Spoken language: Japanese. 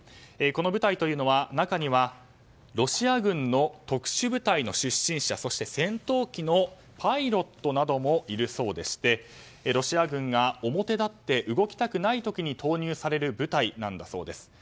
この部隊は、中にはロシア軍の特殊部隊の出身者そして戦闘機のパイロットなどもいるそうでしてロシア軍が表立って動きたくない時に投入される部隊なんだそうです。